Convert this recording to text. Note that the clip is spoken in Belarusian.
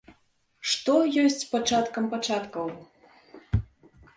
Што ёсць пачаткам пачаткаў?